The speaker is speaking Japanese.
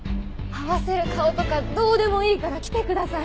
合わせる顔とかどうでもいいから来てください。